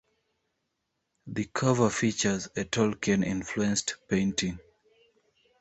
The cover features a Tolkien-influenced painting.